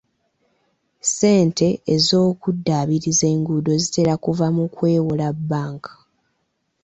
Ssente ez'okuddaabiriza enguudo zitera kuva mu kwewola bbanka.